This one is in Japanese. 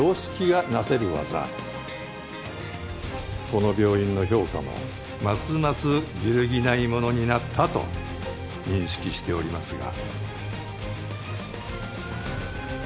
この病院の評価もますます揺るぎないものになったと認識しておりますが。